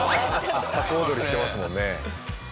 タコ踊りしてますもんね。